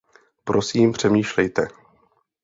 Prosím přemýšlejte.